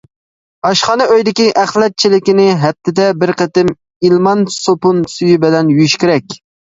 ئاشخانا ئۆيدىكى ئەخلەت چېلىكىنى ھەپتىدە بىر قېتىم ئىلمان سوپۇن سۈيى بىلەن يۇيۇش كېرەك.